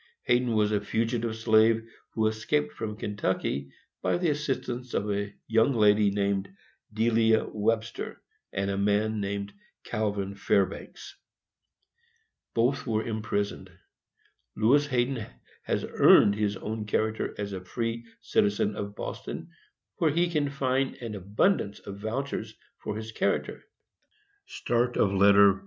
Hayden was a fugitive slave, who escaped from Kentucky by the assistance of a young lady named Delia Webster, and a man named Calvin Fairbanks. Both were imprisoned. Lewis Hayden has earned his own character as a free citizen of Boston, where he can find an abundance of vouchers for his character.